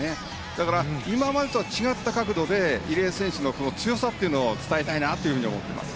だから、今までとは違った角度で入江選手の強さを伝えたいなと思っています。